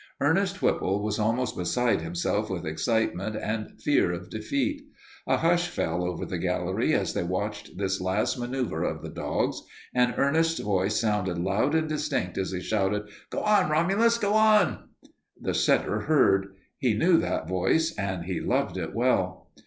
Ernest Whipple was almost beside himself with excitement and fear of defeat. A hush fell over the gallery as they watched this last manoeuver of the dogs, and Ernest's voice sounded loud and distinct as he shouted, "Go on, Romulus! Go on!" The setter heard. He knew that voice and he loved it well.